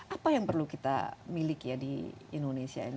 apa yang perlu kita miliki ya di indonesia ini